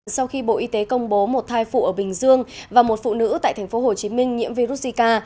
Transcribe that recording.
sau khi bộ y tế công bố một thai phụ ở bình dương và một phụ nữ tại tp hcm nhiễm virus zika